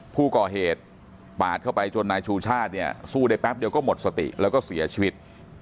ผู้ก่อเหตุปาดเข้าไปจนนายชูชาติเนี่ยสู้ได้แป๊บเดียวก็หมดสติแล้วก็เสียชีวิต